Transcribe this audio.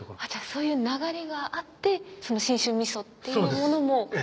そういう流れがあって信州みそっていうものも。